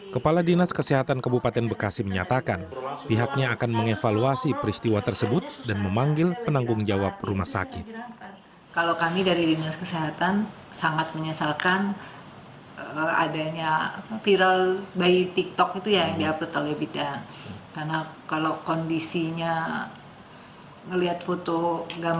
kepala dinas kesehatan kabupaten bekasi menyatakan pihaknya akan mengevaluasi peristiwa tersebut dan memanggil penanggung jawabannya